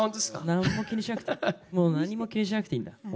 何も気にしなくていい、何も気にしなくていいんだ。